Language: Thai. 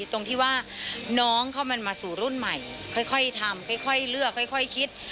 ตรงที่ว่าน้องเขามันมาสู่รุ่นใหม่ค่อยทำค่อยเลือกค่อยคิด